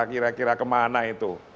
kira kira kemana itu